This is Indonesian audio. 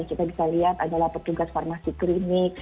kita bisa lihat adalah petugas farmasi klinik